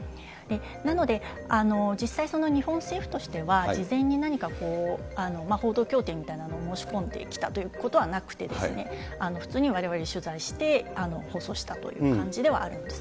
なので、実際日本政府としては、事前に何か、報道協定みたいなものを申し込んできたということはなくて、普通にわれわれ取材して、放送したという感じではあるんです。